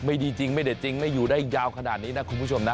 ไม่ดีจริงไม่เด็ดจริงไม่อยู่ได้ยาวขนาดนี้นะคุณผู้ชมนะ